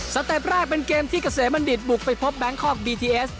เต็ปแรกเป็นเกมที่เกษมบัณฑิตบุกไปพบแบงคอกบีทีเอส